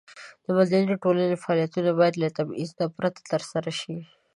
د مدني ټولنې فعالیتونه باید له تبعیض پرته ترسره شي.